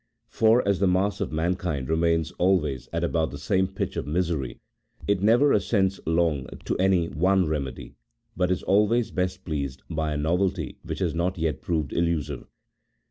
For, as the mass of mankind remains always at about the same pitch of misery, it never assents long to any one remedy, but is always best pleased by a novelty which has not yet proved illusive.